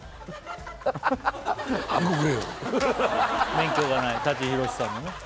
「免許がない！」舘ひろしさんのね